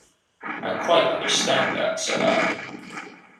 "I quite understand that," said I.